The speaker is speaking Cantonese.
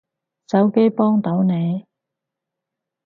手機幫到你